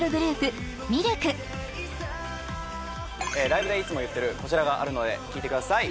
ライブでいつも言ってるこちらがあるので聞いてください